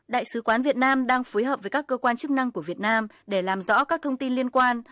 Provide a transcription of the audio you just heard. đại sứ quán việt nam đang phối hợp với các cơ quan chức năng của việt nam để làm rõ các thông tin liên quan